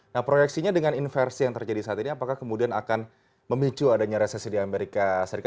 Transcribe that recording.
nah proyeksinya dengan inversi yang terjadi saat ini apakah kemudian akan memicu adanya resesi di amerika serikat